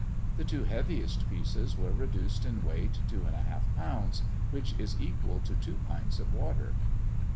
The two heaviest pieces were reduced in weight 2 1/2lbs., which is equal to two pints of water.